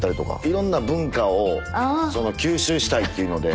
色んな文化を吸収したいっていうので。